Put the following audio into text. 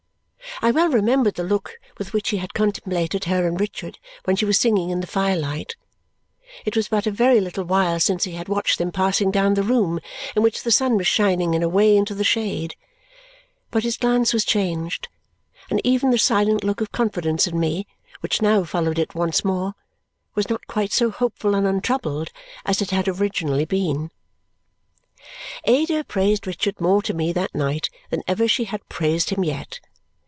I well remembered the look with which he had contemplated her and Richard when she was singing in the firelight; it was but a very little while since he had watched them passing down the room in which the sun was shining, and away into the shade; but his glance was changed, and even the silent look of confidence in me which now followed it once more was not quite so hopeful and untroubled as it had originally been. Ada praised Richard more to me that night than ever she had praised him yet.